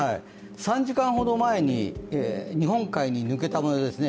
３時間ほど前に、日本海に抜けた模様ですね